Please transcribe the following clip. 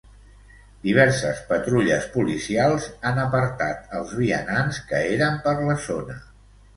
Diverses patrulles policials han apartat els vianants que eren per la zona.